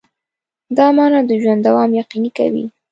دا مانا د ژوند دوام یقیني کوي.